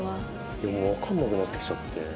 いやもうわかんなくなってきちゃって。